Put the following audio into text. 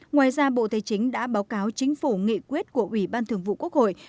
ngoài ra bộ tài chính đã báo cáo chính phủ nghị quyết của ủy ban thường vụ quốc hội